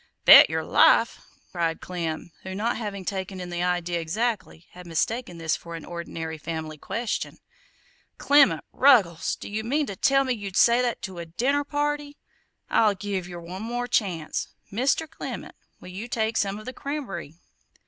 "Bet yer life!" cried Clem, who, not having taken in the idea exactly, had mistaken this for an ordinary family question. "Clement Ruggles, do you mean to tell me that you'd say that to a dinner party? I'll give ye one more chance. Mr. Clement, will you take some of the cramb'ry?"